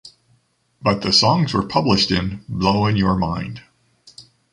But the songs were published in Blowin' Your Mind!